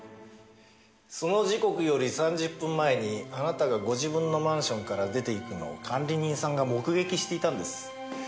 その時刻より３０分前にあなたがご自分のマンションから出て行くのを管理人さんが目撃していたんです。